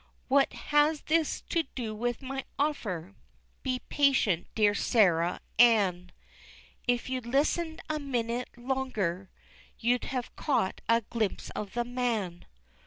What has this to do with my offer? Be patient, my dear Sarah Ann, If you'd listened a minute longer You'd have caught a glimpse of the man.